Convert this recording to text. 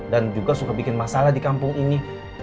dan juga suka bikin masalah di kampung ini